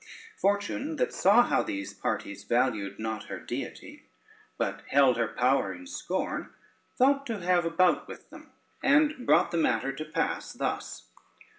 Fortune, that saw how these parties valued not her deity, but held her power in scorn, thought to have a bout with them, and brought the matter to pass thus.